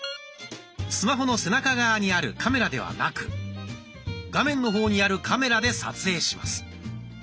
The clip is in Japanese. スマホの背中側にあるカメラではなく画面の方にあるカメラで撮影します。